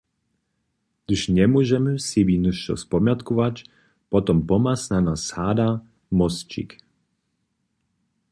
Hdyž njemóžemy sebi něšto spomjatkować, potom pomha snano sada – mosćik.